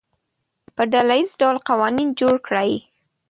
په ډله ییز ډول قوانین جوړ کړي.